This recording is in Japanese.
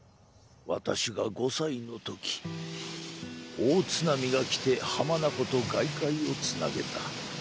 「私が５歳のとき大津波が来て浜名湖と外海をつなげた。